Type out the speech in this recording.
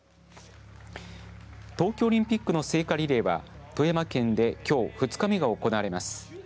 東京オリンピックの聖火リレーは富山県できょう２日目が行われます。